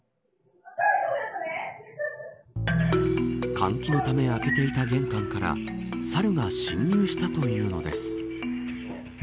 換気のため開けていた玄関から猿が侵入したというのです。